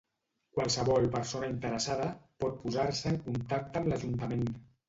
Qualsevol persona interessada pot posar-se en contacte amb l'Ajuntament.